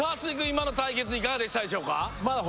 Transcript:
今の対決いかがでしたでしょうか？